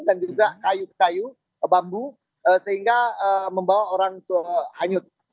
dan juga kayu kayu bambu sehingga membawa orang ke hanyut